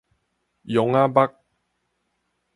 陽仔目